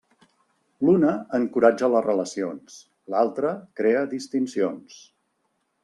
L'una encoratja les relacions, l'altre crea distincions.